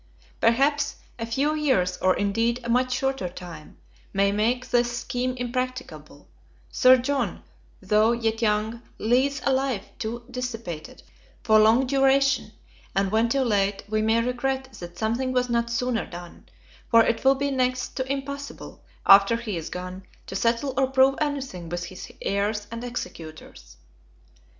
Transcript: Perhaps a few years, or indeed a much shorter time, may make this scheme impracticable: Sir John, tho' yet young, leads a life too dissipated for long duration; and when too late, we may regret that something was not sooner done: for it will be next to impossible, after he is gone, to settle or prove anything with his heirs and executors.